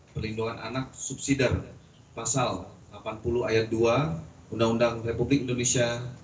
perlindungan anak subsidi pasal delapan puluh ayat dua undang undang republik indonesia